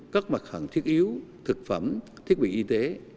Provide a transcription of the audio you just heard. các mặt hẳn thiết yếu thực phẩm thiết bị y tế